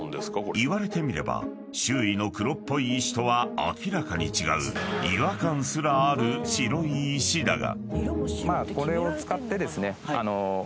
［言われてみれば周囲の黒っぽい石とは明らかに違う違和感すらある白い石だが］